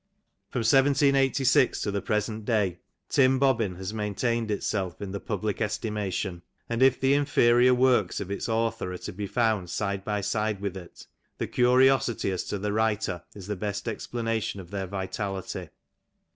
From 1786 to the present day Tim Bobbin has maintained itself in the public estimation, and if the inferior works of its author are to be found side by side with it, the curiosity as to the writer is the best explanation' of their vitality.